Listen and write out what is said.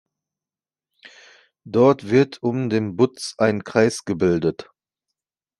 Dort wird um den Butz ein Kreis gebildet.